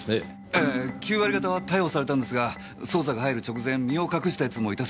ええ９割方は逮捕されたんですが捜査が入る直前身を隠した奴もいたそうです。